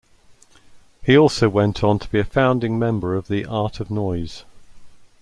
He also went on to be a founding member of the Art of Noise.